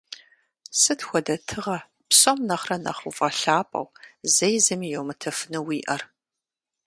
Сыт хуэдэ тыгъэ псом нэхърэ нэхъ уфӏэлъапӏэу, зэи зыми йумытыфыну уиӏэр?